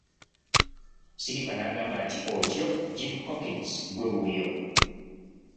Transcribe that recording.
Silver n'agamba nti otyo Jim Hawkins ggwe wuuyo!